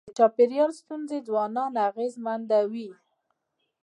د چاپېریال ستونزې ځوانان اغېزمنوي.